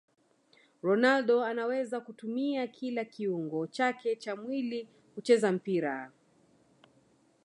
ronaldo anaweza kutumia kila kiungo chake cha mwili kucheza mpira